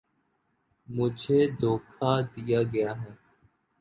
مجھے دھوکا دیا گیا ہے